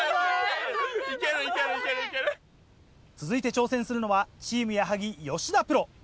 続いて挑戦するのはチーム矢作・吉田プロ。